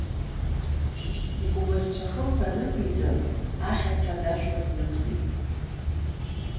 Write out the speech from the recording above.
Икәмызцәа хылԥа нықәиҵан, ахьаца адашәпа днықәтәеит.